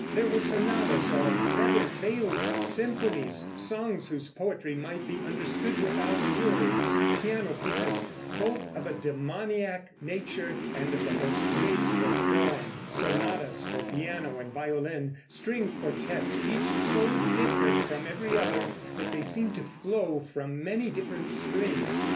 There were sonatas, or rather veiled symphonies; songs whose poetry might be understood without words; piano pieces both of a demoniac nature and of the most graceful form; sonatas for piano and violin; string quartettes, each so different from every other that they seemed to flow from many different springs.